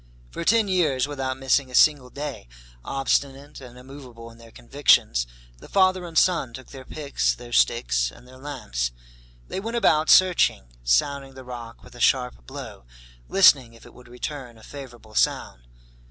For ten years, without missing a single day, obstinate and immovable in their convictions, the father and son took their picks, their sticks, and their lamps. They went about searching, sounding the rock with a sharp blow, listening if it would return a favor able sound.